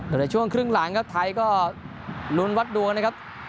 ในช่วงครึ่งหลังครับไทยก็ลุ้นวัดดวงนะครับ